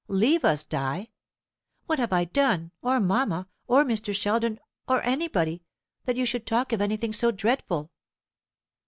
Leave us, Di! What have I done, or mamma, or Mr. Sheldon, or anybody, that you should talk of anything so dreadful?"